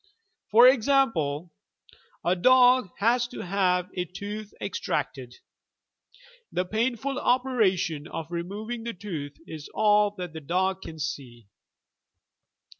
For example, a dog has to have a tooth extracted. The painful operation of removing the tooth is all that the dog can see.